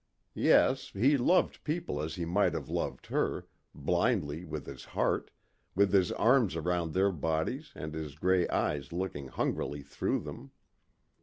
Yes, he loved people as he might have loved her, blindly with his heart, with his arms around their bodies and his grey eyes looking hungrily through them.